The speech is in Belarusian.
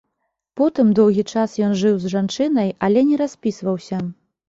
Потым доўгі час ён жыў з жанчынай, але не распісваўся.